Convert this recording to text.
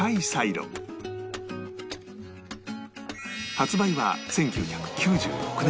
発売は１９９６年